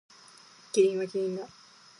キリンはキリンだ。